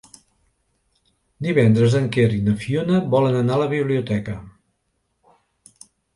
Divendres en Quer i na Fiona volen anar a la biblioteca.